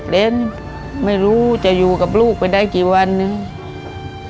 ๗๐แล้วไม่รู้จะอยู่กับลูกไปได้กินไปกี่วันนึง